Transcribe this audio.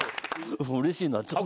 うれしいなちょっと。